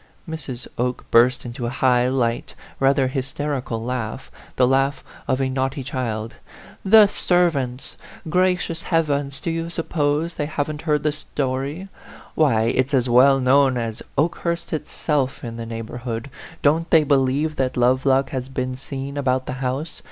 Mrs. Oke burst into a high, light, rather hysterical laugh, the laugh of a naughty child. " The servants ! Gracious heavens, do you suppose they haven't heard the story ? Why, it's as well known as Okehurst itself in the 54 A PHANTOM LOVER. neighborhood. Don't they believe that Lovelock has been seen about the house?